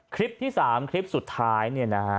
คลิปที่๓คลิปสุดท้ายเนี่ยนะฮะ